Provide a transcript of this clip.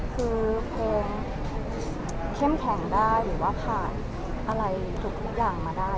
คือเพลงเข้มแข็งได้หรือว่าผ่านอะไรทุกอย่างมาได้